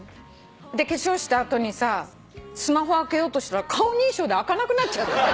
化粧した後にさスマホ開けようとしたら顔認証で開かなくなっちゃって。